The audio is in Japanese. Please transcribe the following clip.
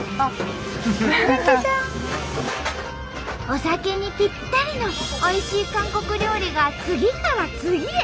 お酒にぴったりのおいしい韓国料理が次から次へ。